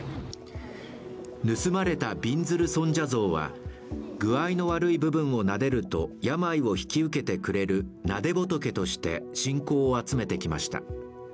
盗まれたびんずる尊者像は具合の悪い部分をなでると病を引き受けてくれるなで仏として信仰を集めてきました。